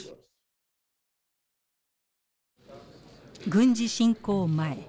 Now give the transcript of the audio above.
軍事侵攻前